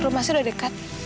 rumah saya udah dekat